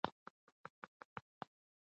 د دې بوټو سره پیوند مهم دی.